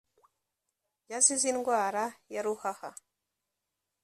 yazize indwara ya ruhaha